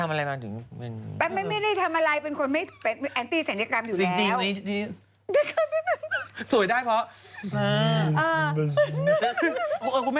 ระบอมนะเป็นคนระบอม